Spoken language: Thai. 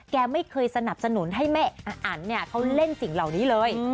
แกไม่เคยสนับสนุนให้แม่อันเนี่ยเขาเล่นสิ่งเหล่านี้เลย